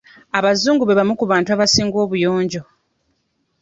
Abazungu be bamu ku bantu abasinga obuyonjo.